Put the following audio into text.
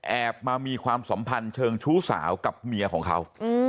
แอบมามีความสัมพันธ์เชิงชู้สาวกับเมียของเขา